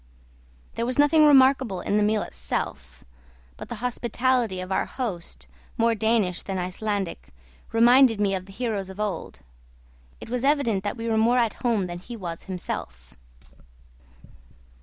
There was nothing remarkable in the meal itself; but the hospitality of our host, more Danish than Icelandic, reminded me of the heroes of old. It was evident that we were more at home than he was himself.